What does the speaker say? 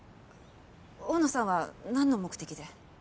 大野さんはなんの目的で？